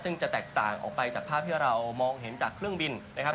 ซึ่งจะแตกต่างออกไปจากภาพที่เรามองเห็นจากเครื่องบินนะครับ